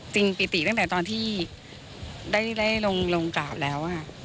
ปิติตั้งแต่ตอนที่ได้ลงกราบแล้ว